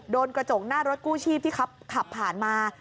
โดนกระจกหน้ารถกู้ชีพที่เขาขับผ่านมา